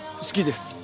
好きです。